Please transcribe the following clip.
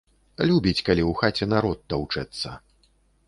Любіць, калі ў хаце народ таўчэцца.